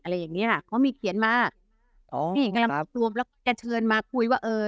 อะไรอย่างเงี้ยเขามีเขียนมาอ๋อนี่ก็จะเชิญมาคุยว่าเออ